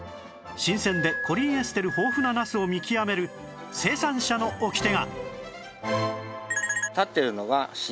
新鮮でコリンエステル豊富なナスを見極める生産者のオキテが